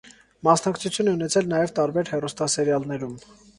Մասնակցություն է ունեցել նաև տարբեր հեռուստասերիալներում։